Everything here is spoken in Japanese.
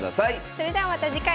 それではまた次回。